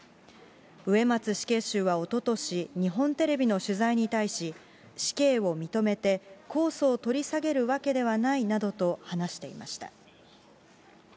植松死刑囚はおととし、日本テレビの取材に対し、死刑を認めて、控訴を取り下げるわけではないなどと話していました。